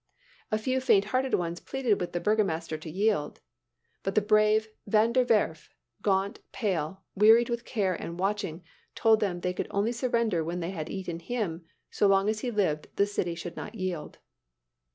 A few faint hearted ones pleaded with the burgomaster to yield. But the brave Van der Werff, gaunt, pale, wearied with care and watching, told them they could only surrender when they had eaten him; so long as he lived, the city should not yield.